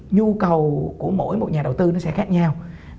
nhu cầu của mỗi một nhà đầu tư nó sẽ khác nhau